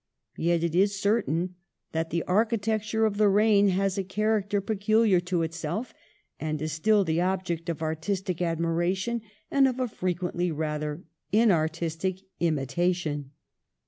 Yet it is certain that the architecture of the reign has a character peculiar to itself, and is still the object of artistic admiration, and of a frequently rather inartistic imitation.